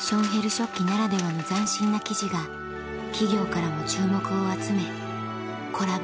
織機ならではの斬新な生地が企業からも注目を集めコラボ